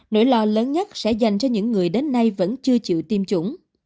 nỗi lo lớn nhất sẽ dành cho những người đến nay vẫn chưa chịu tiêm chủng